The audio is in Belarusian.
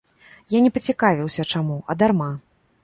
Я не пацікавіўся, чаму, а дарма.